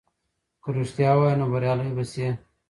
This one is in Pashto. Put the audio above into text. که رښتیا ووایې نو بریالی به سې.